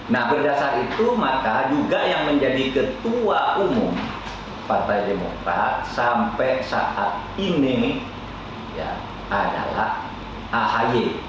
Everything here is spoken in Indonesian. nah berdasar itu maka juga yang menjadi ketua umum partai demokrat sampai saat ini adalah ahy